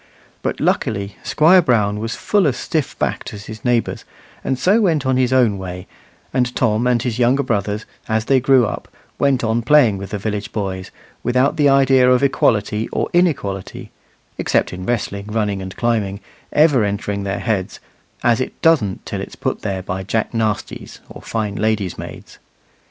But, luckily, Squire Brown was full as stiffbacked as his neighbours, and so went on his own way; and Tom and his younger brothers, as they grew up, went on playing with the village boys, without the idea of equality or inequality (except in wrestling, running, and climbing) ever entering their heads; as it doesn't till it's put there by Jack Nastys or fine ladies' maids.